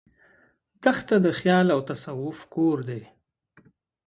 دښته د خیال او تصوف کور دی.